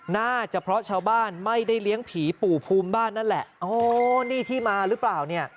น่าจะเพราะชาวบ้านไม่ได้เลี้ยงผีปู่ภูมิบ้านนั่นแหละอ๋อนี่ที่มาหรือเปล่าเนี่ย